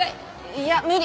いや無理。